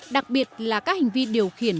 đặc biệt là các hành vi điều khiển